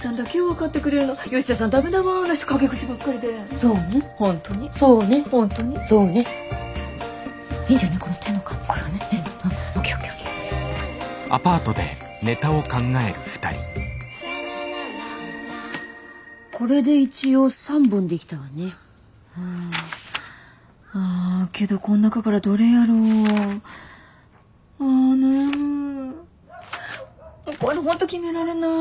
こういうの本当決められない。